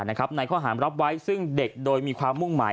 ในข้อหารรับไว้ซึ่งเด็กโดยมีความมุ่งหมาย